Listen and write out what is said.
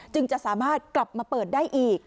จะสามารถกลับมาเปิดได้อีก